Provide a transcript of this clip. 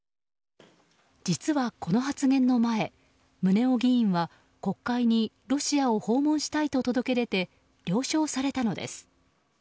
実はこの発言の前、宗男議員は国会にロシアを訪問したいと届け出て了承されたのです。